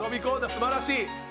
素晴らしい！